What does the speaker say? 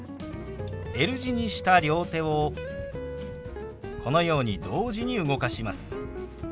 Ｌ字にした両手をこのように同時に動かします。